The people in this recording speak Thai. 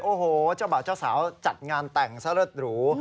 โอ้โหจ้าบ่าวจ้าสาวจัดงานแต่งสระหรู